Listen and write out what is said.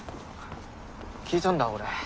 聞いたんだ俺。